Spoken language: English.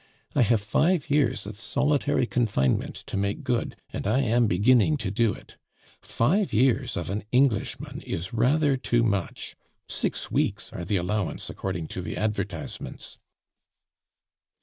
I have five years of solitary confinement to make good, and I am beginning to do it. Five years of an Englishman is rather too much; six weeks are the allowance according to the advertisements."